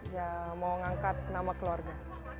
ya mau ngangkat nama keluarga